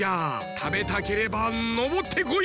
たべたければのぼってこい！